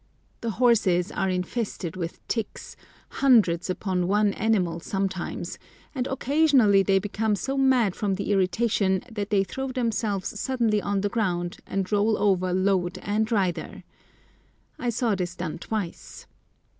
The horses are infested with ticks, hundreds upon one animal sometimes, and occasionally they become so mad from the irritation that they throw themselves suddenly on the ground, and roll over load and rider. I saw this done twice.